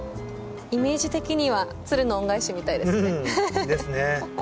イメージ的には『鶴の恩返し』みたいですね。ですね。